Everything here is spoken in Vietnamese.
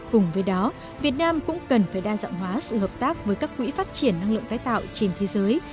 cùng với đó việt nam cũng cần phải đa dạng hóa sự hợp tác với các quỹ phát triển năng lượng tái tạo trên thế giới